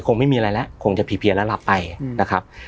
คงไม่มีอะไรแล้วคงจะเพียแล้วหลับไปนะครับ